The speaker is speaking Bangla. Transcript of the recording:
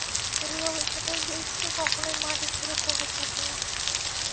এই অভিশাপের বীজকে কখনোই মাটি থেকে তোলা যাবে না!